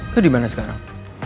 lo dimana sekarang